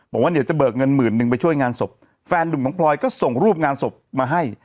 บอกว่าเดี๋ยวจะเบิกเงินหมื่นนึงไปช่วยงานศพแฟนหนุ่มของพลอยก็ส่งรูปงานศพมาให้